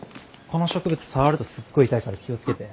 この植物触るとすっごい痛いから気を付けて。